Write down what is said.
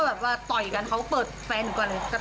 แล้วเขาก็ต่อยกันเขาก็เปิดแฟนหนูกันเลย